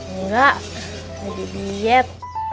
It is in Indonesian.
enggak lagi diet